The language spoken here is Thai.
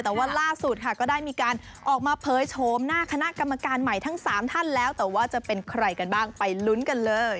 แต่ว่าล่าสุดค่ะก็ได้มีการออกมาเผยโฉมหน้าคณะกรรมการใหม่ทั้ง๓ท่านแล้วแต่ว่าจะเป็นใครกันบ้างไปลุ้นกันเลย